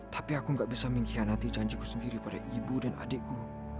tapi aku gak bisa mengkhianati janjiku sendiri pada ibu dan adikku